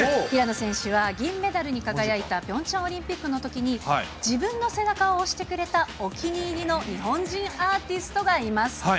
平野選手は銀メダルに輝いた、ピョンチャンオリンピックのときに、自分の背中を押してくれたお気に入りの日本人アーティストがいます。